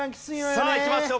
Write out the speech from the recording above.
さあいきますよ。